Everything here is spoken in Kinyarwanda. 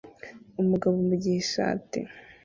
Umugabo mugihe ishati